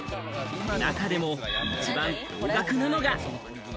中でも一番高額なのが。